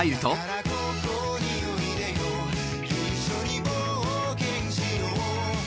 「だからここにおいでよ一緒に冒険しよう」